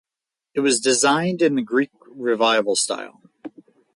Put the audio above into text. It was designed in the Greek Revival style.